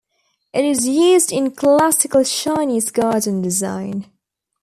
It is used in classical Chinese garden design.